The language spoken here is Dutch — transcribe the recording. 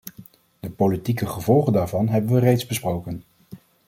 De politieke gevolgen daarvan hebben we reeds besproken.